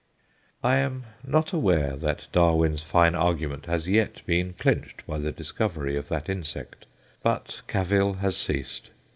I am not aware that Darwin's fine argument has yet been clinched by the discovery of that insect. But cavil has ceased.